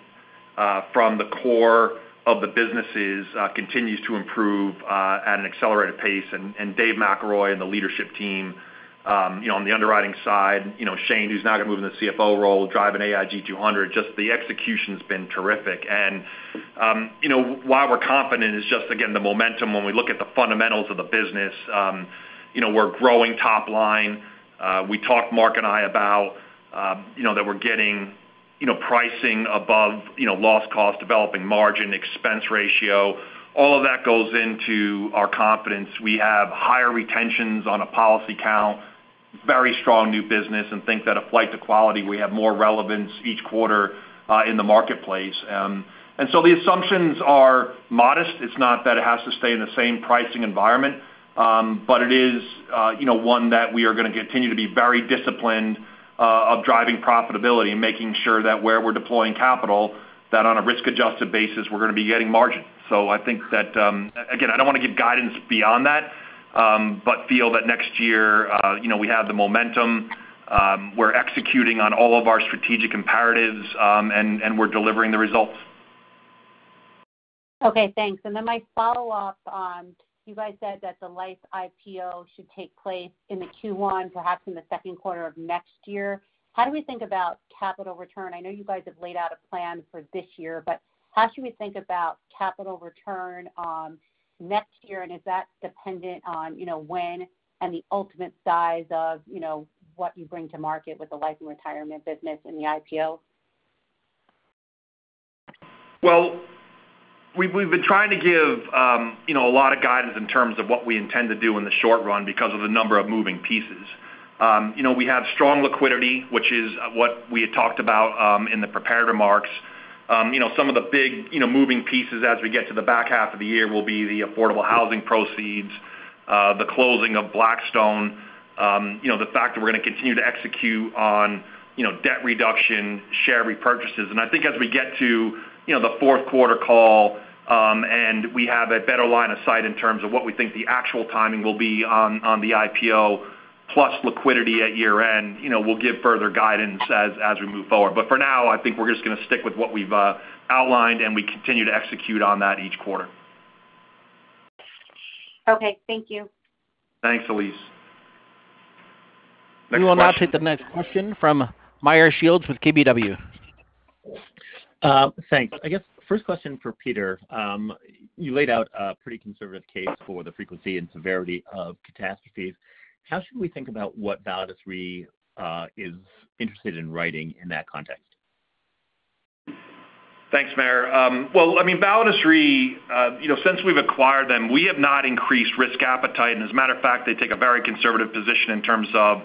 from the core of the businesses continues to improve at an accelerated pace. Dave McElroy and the leadership team, you know, on the underwriting side, you know, Shane, who's now going to move in the CFO role, driving AIG 200, just the execution's been terrific. You know, why we're confident is just, again, the momentum when we look at the fundamentals of the business. You know, we're growing top line. We talked, Mark and I, about, you know, that we're getting, you know, pricing above, you know, loss cost, developing margin, expense ratio. All of that goes into our confidence. We have higher retentions on a policy count, very strong new business, and think that a flight to quality, we have more relevance each quarter, in the marketplace. The assumptions are modest. It's not that it has to stay in the same pricing environment, but it is, you know, one that we are gonna continue to be very disciplined, of driving profitability and making sure that where we're deploying capital, that on a risk-adjusted basis, we're gonna be getting margin. I think that, again, I don't want to give guidance beyond that, but feel that next year, you know, we have the momentum, we're executing on all of our strategic imperatives, and we're delivering the results. Okay, thanks. My follow-up, you guys said that the life IPO should take place in the Q1, perhaps in the second quarter of next year. How do we think about capital return? I know you guys have laid out a plan for this year, but how should we think about capital return next year? Is that dependent on, you know, when and the ultimate size of, you know, what you bring to market with the life and retirement business and the IPO? Well, we've been trying to give, you know, a lot of guidance in terms of what we intend to do in the short run because of the number of moving pieces. You know, we have strong liquidity, which is what we had talked about, in the prepared remarks. You know, some of the big, you know, moving pieces as we get to the back half of the year will be the affordable housing proceeds, the closing of Blackstone, you know, the fact that we're gonna continue to execute on, you know, debt reduction, share repurchases. I think as we get to, you know, the fourth quarter call, and we have a better line of sight in terms of what we think the actual timing will be on the IPO plus liquidity at year-end, you know, we'll give further guidance as we move forward. For now, I think we're just gonna stick with what we've outlined, and we continue to execute on that each quarter. Okay. Thank you. Thanks, Elyse. We will now take the next question from Meyer Shields with KBW. Thanks. I guess first question for Peter. You laid out a pretty conservative case for the frequency and severity of catastrophes. How should we think about what Validus Re is interested in writing in that context? Thanks, Meyer. Well, I mean, Validus Re, you know, since we've acquired them, we have not increased risk appetite. As a matter of fact, they take a very conservative position in terms of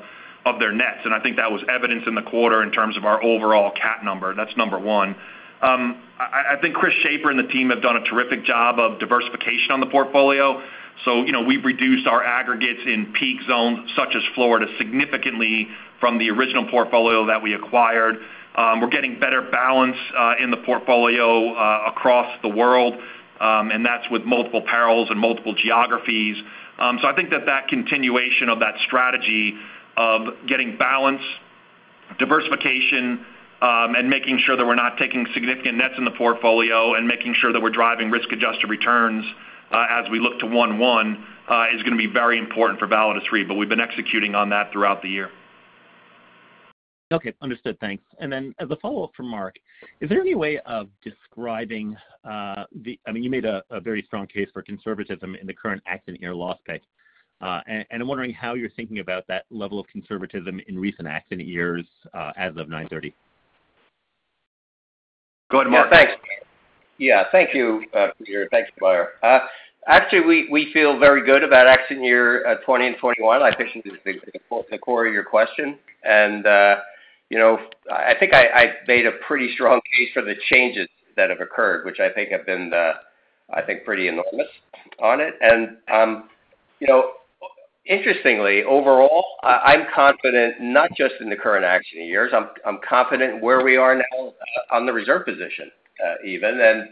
their nets, and I think that was evidenced in the quarter in terms of our overall cat number. That's number one. I think Chris Schaper and the team have done a terrific job of diversification on the portfolio. You know, we've reduced our aggregates in peak zones such as Florida significantly from the original portfolio that we acquired. We're getting better balance in the portfolio across the world, and that's with multiple perils and multiple geographies. I think that continuation of that strategy of getting balance, diversification, and making sure that we're not taking significant nets in the portfolio and making sure that we're driving risk-adjusted returns, as we look to 2021, is gonna be very important for Validus Re. We've been executing on that throughout the year. Okay. Understood. Thanks. As a follow-up from Mark, is there any way of describing, I mean, you made a very strong case for conservatism in the current accident year loss picks. I'm wondering how you're thinking about that level of conservatism in recent accident years, as of 9/30. Go ahead, Mark. Yeah. Thanks. Yeah. Thank you, Peter. Thanks, Meyer. Actually, we feel very good about accident year 2020 and 2021. I think this is the core of your question. You know, I think I made a pretty strong case for the changes that have occurred, which I think have been pretty enormous on it. You know, interestingly, overall, I'm confident not just in the current accident years. I'm confident where we are now on the reserve position, even and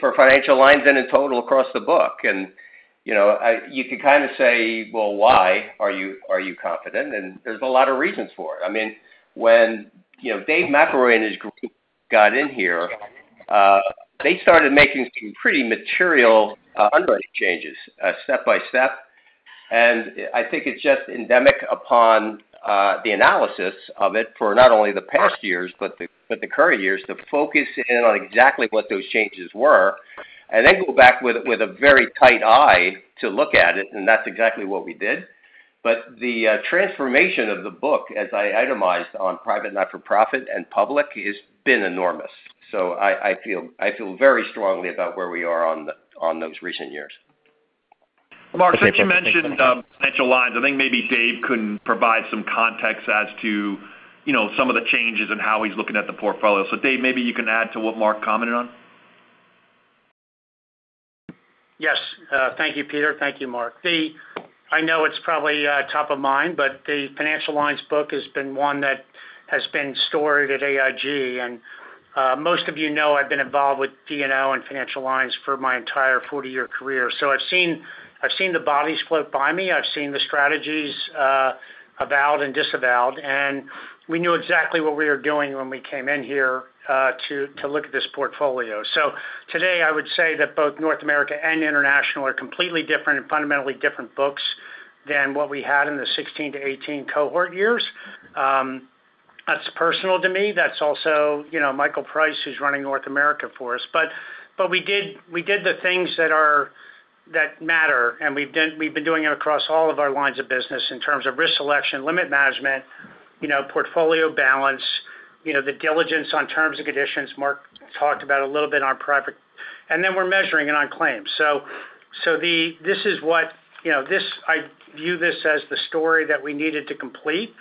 for Financial Lines and in total across the book. You know, you could kind of say, "Well, why are you confident?" There's a lot of reasons for it. I mean, you know, when Dave McElroy and his group got in here, they started making some pretty material underwriting changes, step-by-step. I think it's just incumbent upon the analysis of it for not only the past years, but the current years to focus in on exactly what those changes were and then go back with a very tight eye to look at it, and that's exactly what we did. The transformation of the book, as I itemized on private not-for-profit and public, has been enormous. I feel very strongly about where we are on those recent years. Okay. Mark, since you mentioned potential lines, I think maybe Dave can provide some context as to some of the changes and how he's looking at the portfolio. Dave, maybe you can add to what Mark commented on. Yes. Thank you, Peter. Thank you, Mark. I know it's probably top of mind, but the Financial Lines book has been one that has been storied at AIG. Most of you know I've been involved with P&L and Financial Lines for my entire 40-year career. I've seen the bodies float by me. I've seen the strategies avowed and disavowed, and we knew exactly what we were doing when we came in here to look at this portfolio. Today, I would say that both North America and International are completely different and fundamentally different books than what we had in the 2016 to 2018 cohort years. That's personal to me. That's also, you know, Michael Price, who's running North America for us. We did the things that matter, and we've been doing it across all of our lines of business in terms of risk selection, limit management, you know, portfolio balance, you know, the diligence on terms and conditions Mark talked about a little bit on private, and then we're measuring it on claims. This is what, you know, I view this as the story that we needed to complete.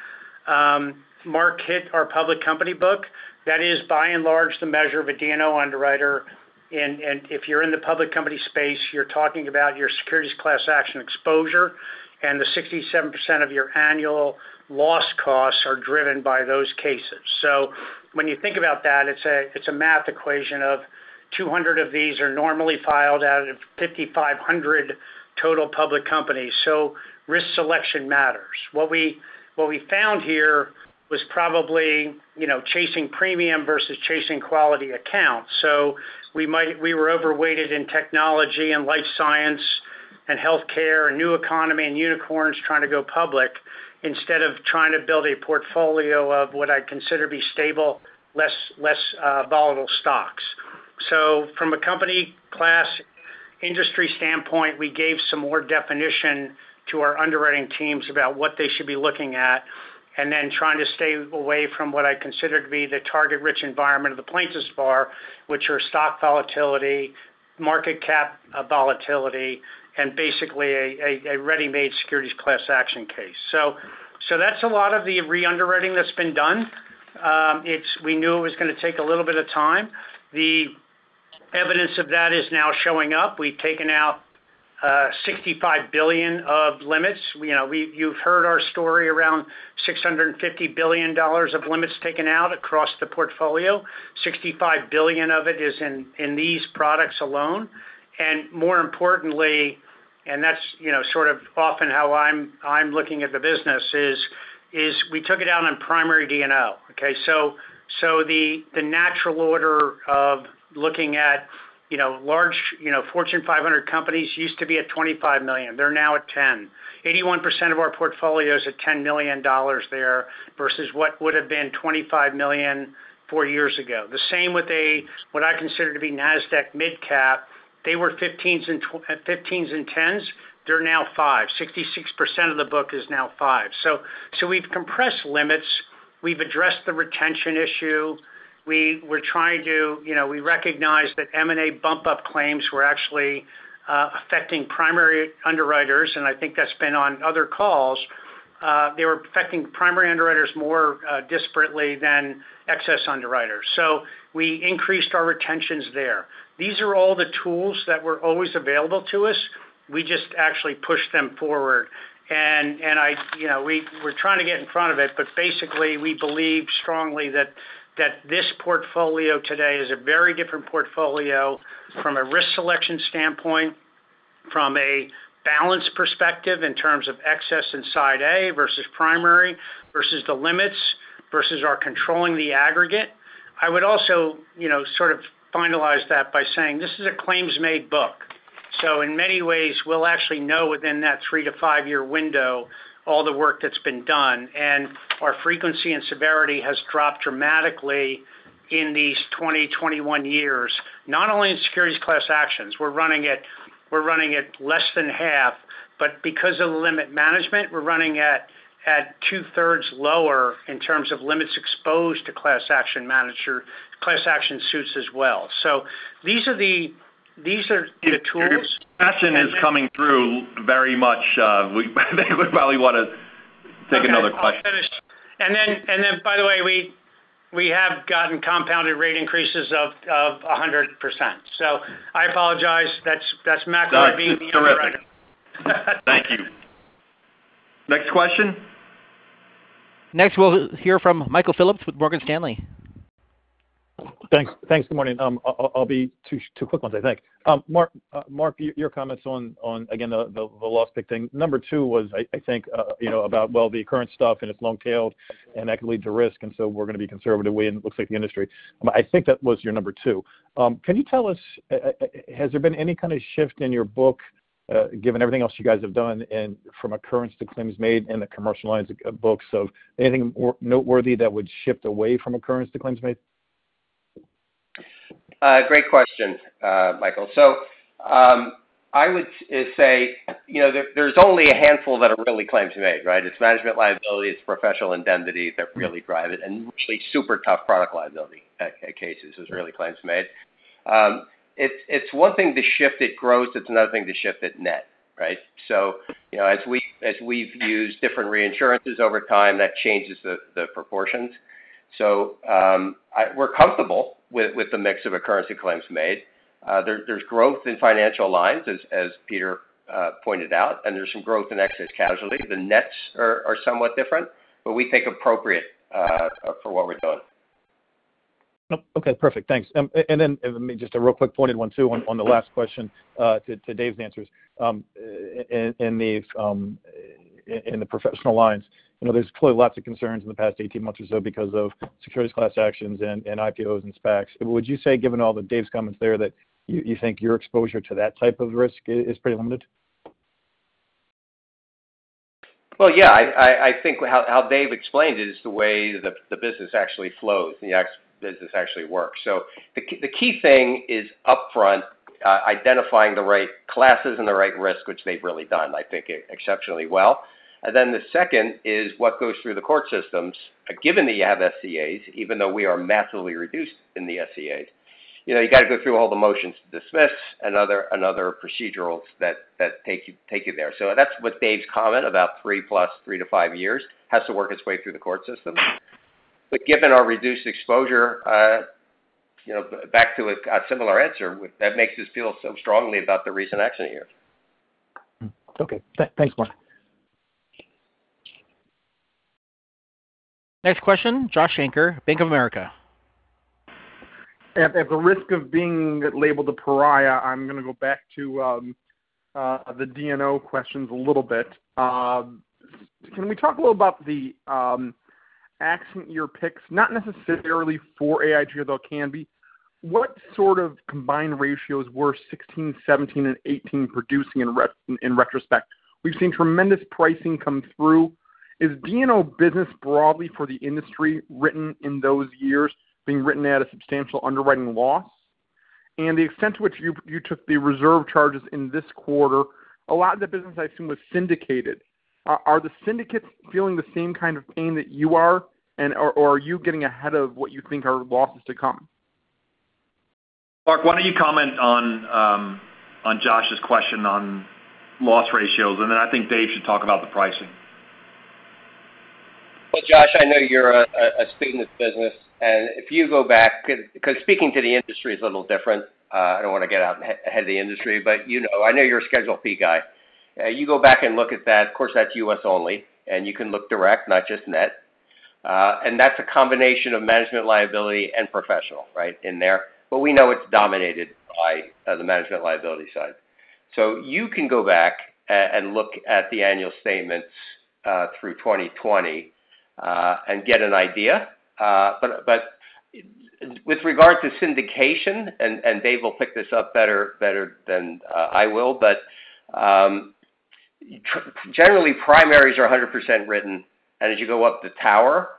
Mark hit our public company book. That is by and large the measure of a D&O underwriter. If you're in the public company space, you're talking about your securities class action exposure, and the 67% of your annual loss costs are driven by those cases. When you think about that, it's a math equation of 200 of these are normally filed out of 5,500 total public companies. Risk selection matters. What we found here was probably, you know, chasing premium versus chasing quality accounts. We were overweighted in technology and life science and healthcare and new economy and unicorns trying to go public instead of trying to build a portfolio of what I consider to be stable, less volatile stocks. From a company class industry standpoint, we gave some more definition to our underwriting teams about what they should be looking at, and then trying to stay away from what I consider to be the target-rich environment of the plaintiffs bar, which are stock volatility, market cap volatility, and basically a ready-made securities class action case. That's a lot of the re-underwriting that's been done. We knew it was gonna take a little bit of time. Evidence of that is now showing up. We've taken out $65 billion of limits. You know, you've heard our story around $650 billion of limits taken out across the portfolio. $65 billion of it is in these products alone. More importantly, that's you know sort of often how I'm looking at the business is we took it down on primary D&O, okay? The natural order of looking at you know large you know Fortune 500 companies used to be at $25 million. They're now at $10 million. 81% of our portfolio is at $10 million there versus what would have been $25 million four years ago. The same with what I consider to be NASDAQ midcap. They were 15%s and 105s. They're now 5%. 66% of the book is now 5%. We've compressed limits. We've addressed the retention issue. We're trying to, you know, we recognize that M&A bump up claims were actually affecting primary underwriters, and I think that's been on other calls. They were affecting primary underwriters more disparately than excess underwriters. We increased our retentions there. These are all the tools that were always available to us. We just actually pushed them forward. I, you know, we're trying to get in front of it. Basically, we believe strongly that this portfolio today is a very different portfolio from a risk selection standpoint, from a balance perspective in terms of excess and Side A versus primary, versus the limits, versus our controlling the aggregate. I would also, you know, sort of finalize that by saying this is a claims-made book. In many ways, we'll actually know within that three to five-year window all the work that's been done. Our frequency and severity has dropped dramatically in these 2020, 2021 years, not only in securities class actions. We're running at less than half. Because of limit management, we're running at 2/3 lower in terms of limits exposed to class action management, class action suits as well. These are the tools. Your passion is coming through very much. They would probably want to take another question. Okay. I'll finish. By the way, we have gotten compounded rate increases of 100%. I apologize. That's McElroy being the underwriter. That's terrific. Thank you. Next question. Next, we'll hear from Michael Phillips with Morgan Stanley. Thanks. Good morning. I'll be two quick ones, I think. Mark, your comments on again the loss pick thing. Number two was, I think, you know, about, well, the current stuff, and it's long-tailed, and that can lead to risk, and so we're going to be conservative. It looks like the industry. I think that was your number two. Can you tell us, has there been any kind of shift in your book, given everything else you guys have done and from occurrence to claims made in the commercial lines book? So anything noteworthy that would shift away from occurrence to claims made? Great question, Michael. I would say, you know, there's only a handful that are really claims made, right? It's management liability, it's professional indemnity that really drive it, and usually super tough product liability cases is really claims made. It's one thing to shift it gross, it's another thing to shift it net, right? You know, as we've used different reinsurances over time, that changes the proportions. We're comfortable with the mix of occurrence and claims made. There's growth in Financial Lines, as Peter pointed out, and there's some growth in Excess Casualty. The nets are somewhat different, but we think appropriate for what we're doing. Okay, perfect. Thanks. Then just a real quick pointed one, too, on the last question, to Dave's answers. In the professional lines, you know, there's clearly lots of concerns in the past 18 months or so because of securities class actions and IPOs and SPACs. Would you say, given all of Dave's comments there, that you think your exposure to that type of risk is pretty limited? Well, yeah. I think how Dave explained it is the way the business actually flows, the business actually works. The key thing is upfront, identifying the right classes and the right risk, which they've really done, I think exceptionally well. The second is what goes through the court systems, given that you have SCAs, even though we are massively reduced in the SCA. You know, you got to go through all the motions to dismiss another procedural that take you there. That's what Dave's comment about 3 + 3 to 5 years has to work its way through the court system. Given our reduced exposure, you know, back to a similar answer, that makes us feel so strongly about the recent action here. Okay. Thanks, Mark. Next question, Josh Shanker, Bank of America. At the risk of being labeled a pariah, I'm going to go back to the D&O questions a little bit. Can we talk a little about the accident year picks, not necessarily for AIG, although it can be. What sort of combined ratios were 16%, 17%, and 18% producing in retrospect? We've seen tremendous pricing come through. Is D&O business broadly for the industry written in those years being written at a substantial underwriting loss? To the extent to which you took the reserve charges in this quarter, a lot of the business I assume was syndicated. Are the syndicates feeling the same kind of pain that you are, or are you getting ahead of what you think are losses to come? Mark, why don't you comment on Josh's question on loss ratios, and then I think Dave should talk about the pricing. Well, Josh, I know you're a speed in this business, and if you go back, because speaking to the industry is a little different, I don't wanna get out ahead of the industry, but you know, I know you're a Schedule P guy. You go back and look at that, of course, that's U.S. only, and you can look direct, not just net. That's a combination of management liability and professional, right, in there. We know it's dominated by the management liability side. You can go back and look at the annual statements through 2020 and get an idea. With regard to syndication, Dave will pick this up better than I will. Generally, primaries are 100% written. As you go up the tower,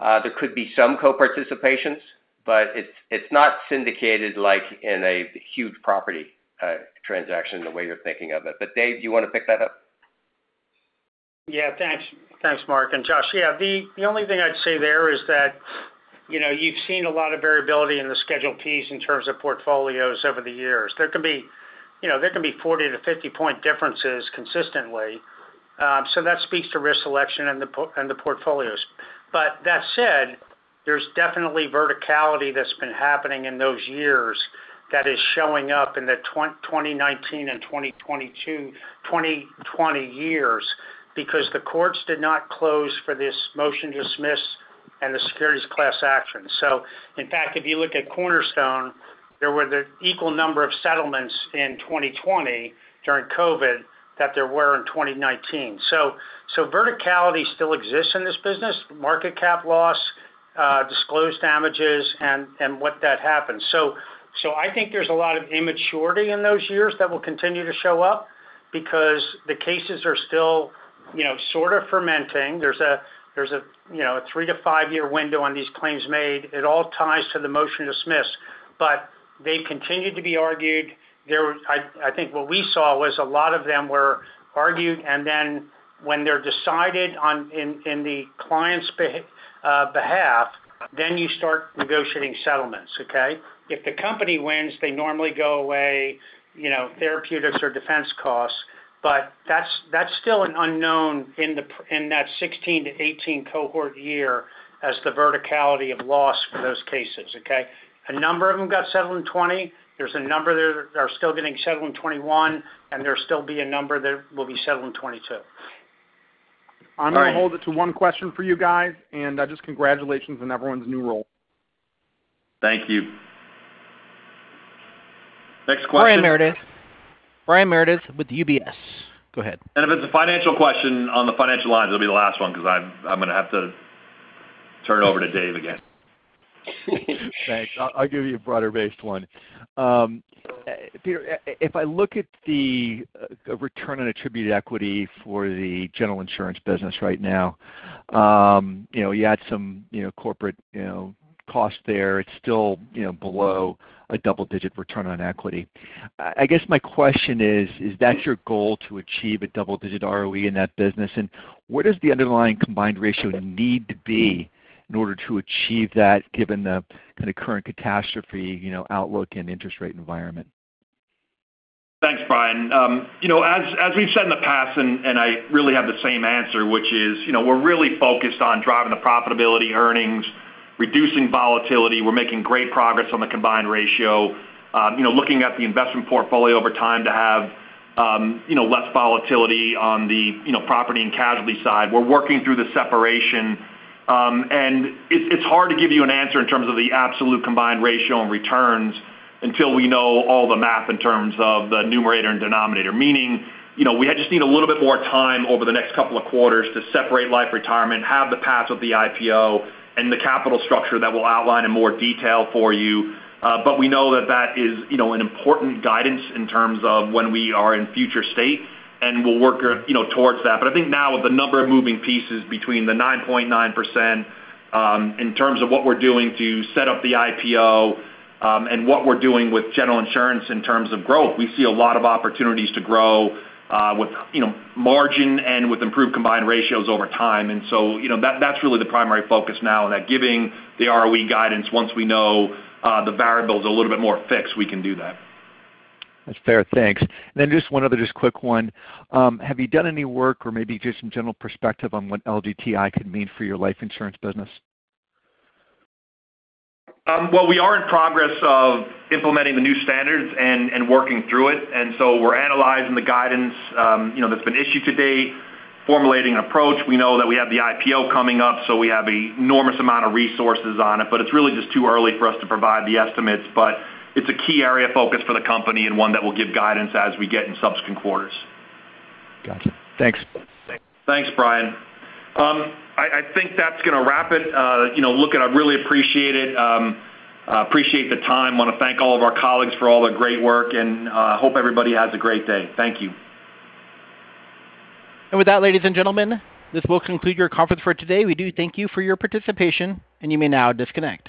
there could be some co-participations, but it's not syndicated like in a huge property transaction the way you're thinking of it. Dave, do you wanna pick that up? Yeah. Thanks, Mark and Josh. Yeah, the only thing I'd say there is that, you know, you've seen a lot of variability in the Schedule Ps in terms of portfolios over the years. There can be 40 basis points-50 basis points differences consistently, so that speaks to risk selection and the portfolios. That said, there's definitely volatility that's been happening in those years that is showing up in the 2019 and 2020 years because the courts did not close for this motion to dismiss and the securities class action. In fact, if you look at Cornerstone, there were the equal number of settlements in 2020 during COVID that there were in 2019. Verticality still exists in this business, market cap loss, disclosed damages and what that happens. I think there's a lot of immaturity in those years that will continue to show up because the cases are still you know sort of fermenting. There's a 3-5-year window on these claims made. It all ties to the motion to dismiss, but they continued to be argued. I think what we saw was a lot of them were argued, and then when they're decided on in the client's behalf, then you start negotiating settlements, okay? If the company wins, they normally go away, you know, therapeutics or defense costs. That's still an unknown in that 16-18 cohort year as the severity of loss for those cases, okay? A number of them got settled in 2020. There's a number that are still getting settled in 2021, and there'll still be a number that will be settled in 2022. All right. I'm gonna hold it to one question for you guys, and just congratulations on everyone's new role. Thank you. Next question. Brian Meredith. Brian Meredith with UBS. Go ahead. If it's a financial question on the financial lines, it'll be the last one because I'm gonna have to turn it over to Dave again. Thanks. I'll give you a broader-based one. Peter, if I look at the return on attributed equity for the General Insurance business right now, you know, you add some, you know, corporate, you know, cost there, it's still, you know, below a double-digit return on equity. I guess my question is that your goal to achieve a double-digit ROE in that business? What does the underlying combined ratio need to be in order to achieve that given the kind of current catastrophe, you know, outlook and interest rate environment? Thanks, Brian. You know, as we've said in the past, and I really have the same answer, which is, you know, we're really focused on driving the profitability, earnings, reducing volatility. We're making great progress on the combined ratio. You know, looking at the investment portfolio over time to have, you know, less volatility on the property and casualty side. We're working through the separation. It's hard to give you an answer in terms of the absolute combined ratio on returns until we know all the math in terms of the numerator and denominator. Meaning, you know, we just need a little bit more time over the next couple of quarters to separate Life and Retirement, have the path of the IPO and the capital structure that we'll outline in more detail for you. We know that is, you know, an important guidance in terms of when we are in future state, and we'll work, you know, towards that. I think now with the number of moving pieces between the 9.9%, in terms of what we're doing to set up the IPO, and what we're doing with General Insurance in terms of growth, we see a lot of opportunities to grow, with, you know, margin and with improved combined ratios over time. That's really the primary focus now, that giving the ROE guidance once we know, the variables a little bit more fixed, we can do that. That's fair. Thanks. Just one other quick one. Have you done any work or maybe just some general perspective on what LDTI could mean for your Life Insurance business? Well, we are in the process of implementing the new standards and working through it. We're analyzing the guidance, you know, that's been issued to date, formulating an approach. We know that we have the IPO coming up, so we have enormous amount of resources on it. It's really just too early for us to provide the estimates. It's a key area of focus for the company and one that we'll give guidance as we get in subsequent quarters. Gotcha. Thanks. Thanks, Brian. I think that's gonna wrap it. You know, look, I really appreciate it. I appreciate the time. Want to thank all of our colleagues for all the great work, and hope everybody has a great day. Thank you. With that, ladies and gentlemen, this will conclude your conference for today. We do thank you for your participation, and you may now disconnect.